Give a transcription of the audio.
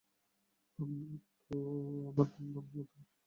আপনারা তো আমার বাপ-মার মতো।